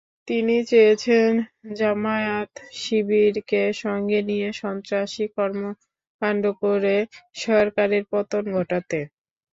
তিনি চেয়েছেন জামায়াত-শিবিরকে সঙ্গে নিয়ে সন্ত্রাসী কর্মকাণ্ড করে সরকারের পতন ঘটাতে।